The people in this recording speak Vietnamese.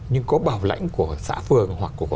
nhưng có bảo lãnh của xã phường hoặc của